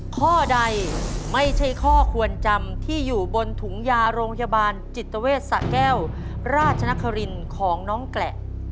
ข้อใดไม่ใช่ข้อควรจำที่อยู่บนถุงยาโรงพยาบาลจิตเวทสะแก้วราชนครินของน้องแกละ